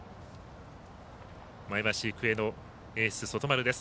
前橋育英のエース、外丸です。